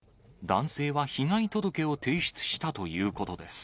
男性は被害届を提出したということです。